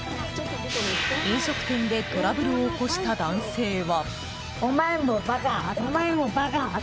飲食店でトラブルを起こした男性は。